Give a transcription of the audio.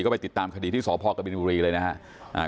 ก็ไปติดตามคดีที่สพกบินบุรีเลยนะฮะ